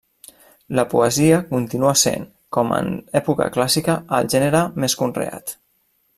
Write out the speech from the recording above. La poesia continua sent, com en època clàssica, el gènere més conreat.